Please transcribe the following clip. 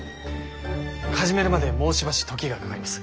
始めるまでもうしばし時がかかります。